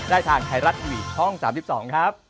ได้ทางไทรัตวีช่อง๓๒ครับ